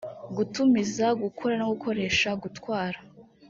gutumiza gukora no gukoresha gutwara